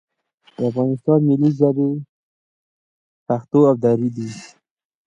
د افغانستان ملي ژبې پښتو او دري دي